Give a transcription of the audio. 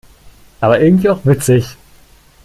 Aber irgendwie auch witzig.